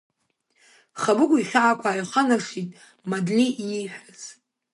Хабыгә ихьаақәа ааиханаршҭит Мадлеи ииҳәаз.